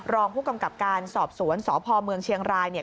รองผู้กำกับการสอบสวนสพเมืองเชียงรายเนี่ย